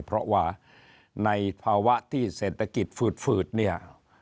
เพราะว่าในภาวะที่เศรษฐกิจฝืดเนี่ย